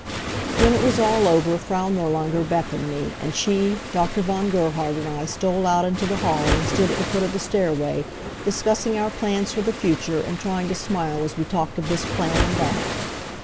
When it was all over Frau Nirlanger beckoned me, and she, Dr. von Gerhard and I stole out into the hall and stood at the foot of the stairway, discussing our plans for the future, and trying to smile as we talked of this plan and that.